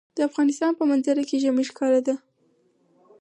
د افغانستان په منظره کې ژمی ښکاره ده.